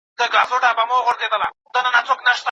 همکاري باید ونه درېږي.